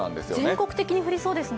全国的に降りそうですね。